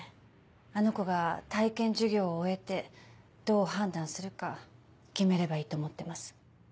あの子が体験授業を終えてどう判断するか決めればいいと思ってます。